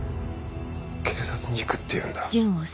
警察に行くって言うんだ。